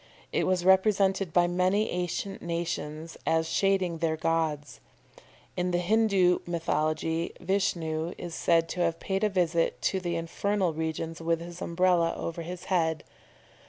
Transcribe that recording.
It was represented by many ancient nations as shading their gods. In the Hindoo mythology Vishnu is said to have paid a visit to the infernal regions with his Umbrella over his head.